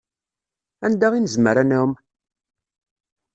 Anda i nezmer ad nɛumm?